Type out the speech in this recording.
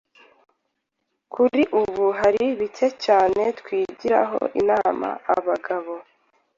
"Kuri ubu, hari bicye cyane twagiraho inama abagabo